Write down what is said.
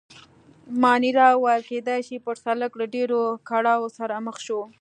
مانیرا وویل: کېدای شي، پر سړک له ډېرو کړاوو سره مخ شو.